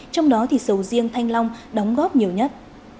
trong đó thì sầu riêng thanh long đóng góp nhiều nhất